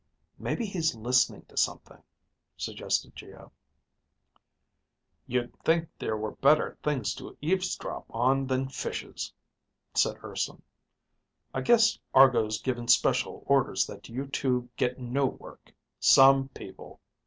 "Maybe he's listening to something," suggested Geo. "You'd think there were better things to eavesdrop on than fishes," said Urson. "I guess Argo's given special orders that you two get no work. Some people!